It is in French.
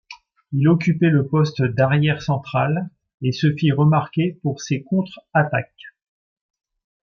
Il occupait le poste d'arrière central, et se fit remarquer pour ses contre-attaques.